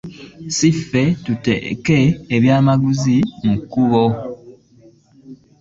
Si ffe tuteeka ebyamaguzi mu kkubo.